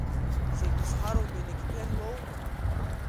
Зегьы зхароу Мелеқьԥер лоума?